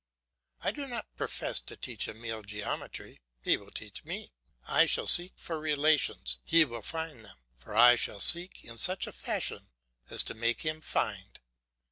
I do not profess to teach Emile geometry; he will teach me; I shall seek for relations, he will find them, for I shall seek in such a fashion as to make him find.